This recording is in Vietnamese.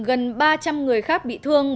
gần ba trăm linh người khác bị thương